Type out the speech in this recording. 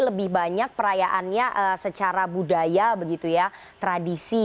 lebih banyak perayaannya secara budaya begitu ya tradisi